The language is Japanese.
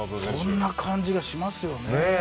そんな感じがしますよね。